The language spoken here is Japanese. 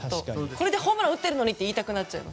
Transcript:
ホームラン打ってるのにって言いたくなっちゃう。